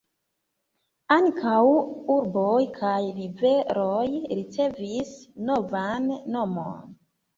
Ankaŭ urboj kaj riveroj ricevis novan nomon.